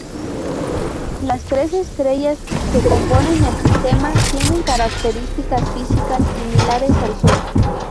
Las tres estrellas que componen el sistema tienen características físicas similares al Sol.